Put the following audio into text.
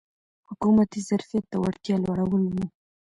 حکومتي ظرفیت او وړتیا لوړول و.